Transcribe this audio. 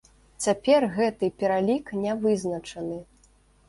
Цяпер гэты пералік не вызначаны.